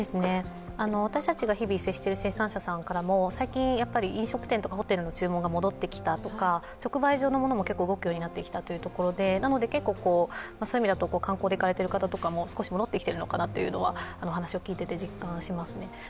私たちが日々接している生産者さんからも飲食店からホテルの注文が戻ってきたとか直売所のものも結構動くようになってきたというところで、結構そういう意味では観光で行かれている方も戻ってきてるのかなと話を聞いていて実感しますね。